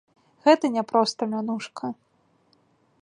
Гэта не проста мянушка.